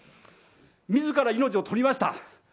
みずから命を取りました。